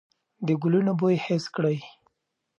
د ګلونو بوی حس کړئ.